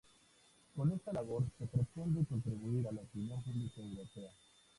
Con esta labor se pretende contribuir a la opinión pública europea.